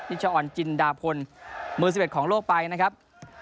ชะออนจินดาพลมือ๑๑ของโลกไปนะครับ